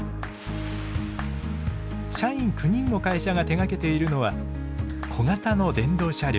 社員９人の会社が手がけているのは小型の電動車両。